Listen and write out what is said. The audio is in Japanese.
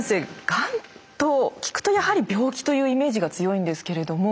がんと聞くとやはり病気というイメージが強いんですけれども。